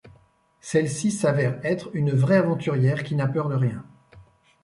Celle-ci s'avère être une vraie aventurière qui n'a peur de rien.